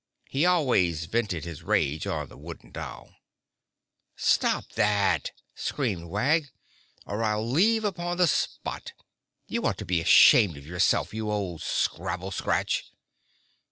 He always vented his rage on the wooden doll. "Stop that," screamed Wag, "or I'll leave upon the spot. You ought to be ashamed of yourself. You old scrabble scratch."